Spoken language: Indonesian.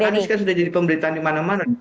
anies kan sudah jadi pemberitahani mana mana